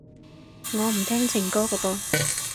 我唔聽情歌㗎噃